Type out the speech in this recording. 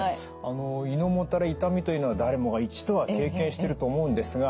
胃のもたれ痛みというのは誰もが一度は経験してると思うんですが